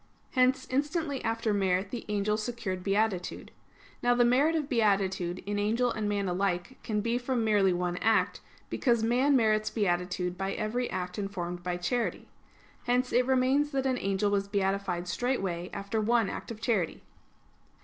Hence instantly after merit the angel secured beatitude. Now the merit of beatitude in angel and man alike can be from merely one act; because man merits beatitude by every act informed by charity. Hence it remains that an angel was beatified straightway after one act of charity.